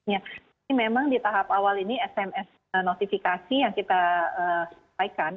ya ini memang di tahap awal ini sms notifikasi yang kita sampaikan